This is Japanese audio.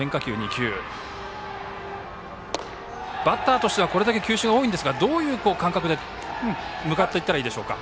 バッターとしてはこれだけ球種が多いんですがどういう感覚で向かっていったらいいでしょうか。